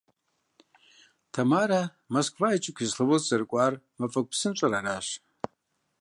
Тамарэ Москва икӏыу Кисловодск зэрыкӏуар мафӏэгу псынщӏэр арщ.